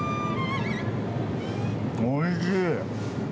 おいしい。